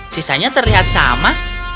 sisanya terlihat sama